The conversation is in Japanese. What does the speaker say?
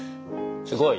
すごい！